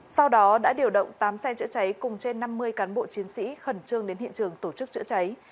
sau đó đã điều động tám xe chữa cháy cùng trên năm mươi cán bộ chiến sĩ khẩn trương đến hiện trường tổ chức chữa cháy